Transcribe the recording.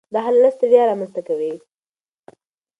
دا حالت ستړیا رامنځ ته کوي.